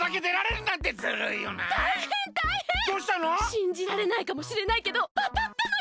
しんじられないかもしれないけどあたったのよ！